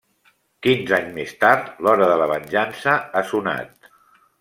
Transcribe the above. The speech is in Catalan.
Quinze anys més tard, l'hora de la venjança ha sonat.